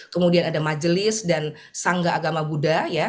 kemudian ada majelis dan sangga agama buddha